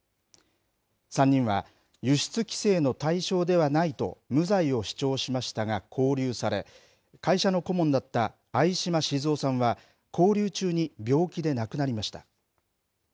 ３人は、輸出規制の対象ではないと無罪を主張しましたが、勾留され、会社の顧問だった相嶋靜夫さんは、勾留中に病気で亡くなりました。